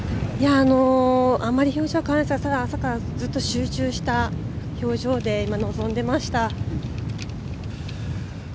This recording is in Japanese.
あまり表情は変わらずただ、朝からずっと集中した表情で今、臨んでました。